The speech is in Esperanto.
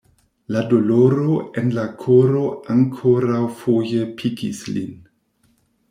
La doloro en la koro ankoraŭfoje pikis lin.